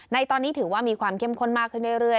ในตอนนี้ถือว่ามีความเข้มข้นมากขึ้นเรื่อย